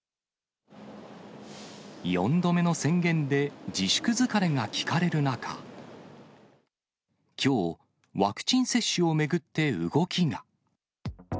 ４度目の宣言で自粛疲れが聞かれる中、きょう、ワクチン接種を巡って動きが。